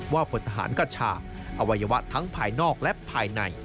พลทหารกระชากอวัยวะทั้งภายนอกและภายใน